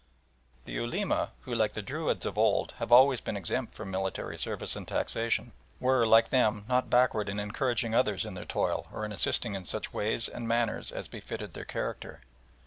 The Ulema, who, like the Druids of old, have always been exempt from military service and taxation, were like them, not backward in encouraging others in their toil or in assisting in such ways and manners as befitted their character.